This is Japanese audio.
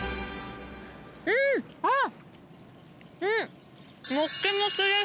うーん！あっ！